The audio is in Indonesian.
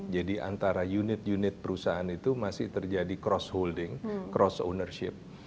jadi antara unit unit perusahaan itu masih terjadi cross holding cross ownership